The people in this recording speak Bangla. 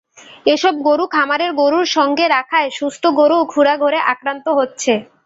এসব গরু খামারের গরুর সঙ্গে রাখায় সুস্থ গরুও খুরারোগে আক্রান্ত হচ্ছে।